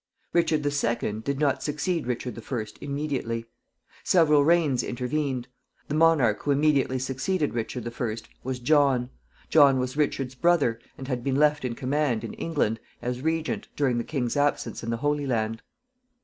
Richard II. did not succeed Richard I. immediately. Several reigns intervened. The monarch who immediately succeeded Richard I. was John. John was Richard's brother, and had been left in command, in England, as regent, during the king's absence in the Holy Land.